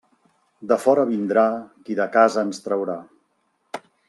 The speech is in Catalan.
De fora vindrà qui de casa ens traurà.